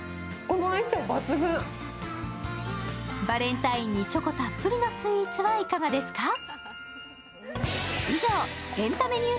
バレンタインにチョコたっぷりのスイーツはいかがですか。